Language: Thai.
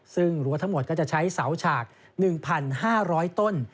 ซึ่งรั้วทั้งหมดก็จะใช้เสาฉาก๑๕๐๐ต้น